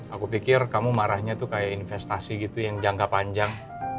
aku pikir kamu marahnya tuh kayak investasi gitu yang jangka panjang